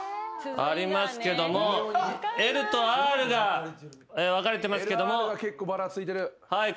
ありますけども「ｌ」と「ｒ」が分かれてますけどもはいこちら。